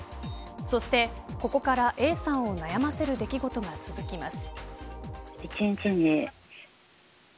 そしてここからＡさんを悩ませる出来事が続きます。